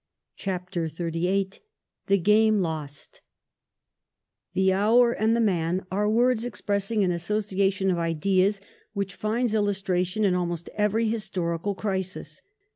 CHAPTEE XXXVni THE GAME LOST ' The hour and the man ' are words expressing an association of ideas which finds illustration in ahnost every historical crisis.